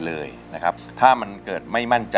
ดูกับเพ่งหน้าเธอว่าเชฟ